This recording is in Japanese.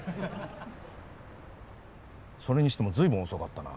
それにしても随分遅かったな。